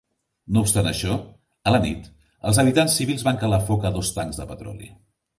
No obstant això, a la nit, els habitants civils van calar foc a dos tancs de petroli.